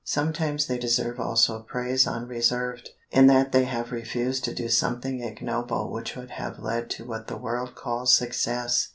Sometimes they deserve also praise unreserved, in that they have refused to do something ignoble which would have led to what the world calls success.